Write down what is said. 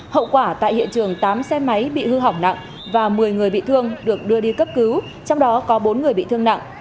hậu quả tại hiện trường tám xe máy bị hư hỏng nặng và một mươi người bị thương được đưa đi cấp cứu trong đó có bốn người bị thương nặng